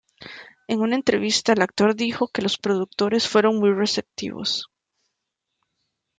En una entrevista el actor dijo que los productores fueron muy receptivos.